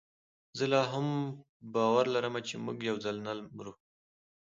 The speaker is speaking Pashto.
زه لا هم باور لرم چي موږ یوځل نه مرو